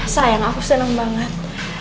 sayang aku seneng banget